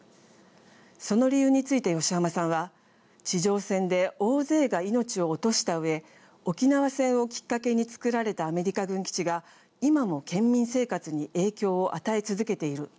その理由について吉浜さんは「地上戦で大勢が命を落としたうえ沖縄戦をきっかけに造られたアメリカ軍基地が今も県民生活に影響を与え続けている。